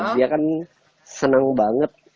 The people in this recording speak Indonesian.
dia kan seneng banget